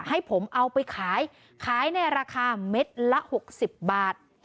ให้ผมเอาไปขายขายในราคาเม็ดละ๖๐บาท